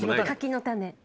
かきのたね。